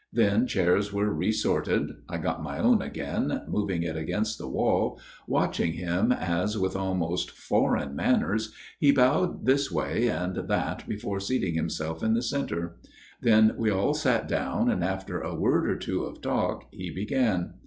Then chairs were re sorted I got my own again, moving it against the wall, watching him as, with almost foreign manners, he bowed this way and that before seating himself in the centre. Then we all sat down ; and after a word or two of talk, he began.